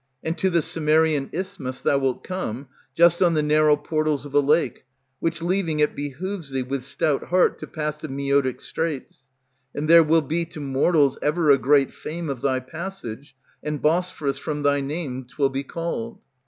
And to the Cimmerian isthmus thou wilt come, Just on the narrow portals of a lake, which leaving It behooves thee with stout heart to pass the Mœotic straits; And there will be to mortals ever a great fame Of thy passage, and Bosphorus from thy name 'T will be called.